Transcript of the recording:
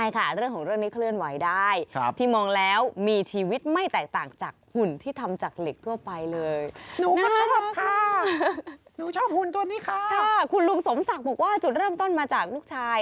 คุณลุงสมศักดิ์บอกว่าจุดเริ่มต้นมาจากลูกชาย